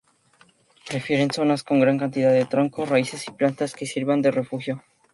Prefieren zonas con gran cantidad de troncos, raíces y plantas que sirvan de refugio.